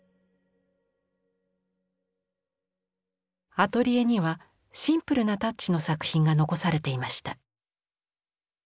アトリエにはシンプルなタッチの作品が残されていました。